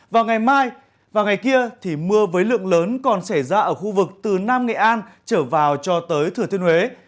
vào ngày mai và ngày kia thì mưa với lượng lớn còn xảy ra ở khu vực từ nam nghệ an trở vào cho tới thừa thiên huế